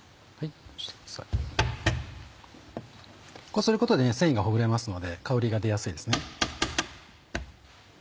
こうすることで繊維がほぐれますので香りが出やすいですね。